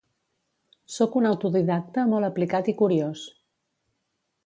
Sóc un autodidacte molt aplicat i curiós